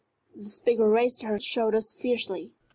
The speaker raised her shoulders fiercely.